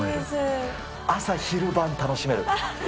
朝昼晩楽しめる。